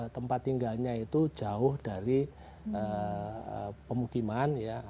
tempat tinggalnya itu jauh dari pemukiman ya